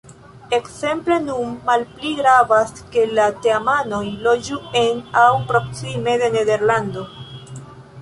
Ekzemple nun malpli gravas, ke la teamanoj loĝu en aŭ proksime de Nederlando.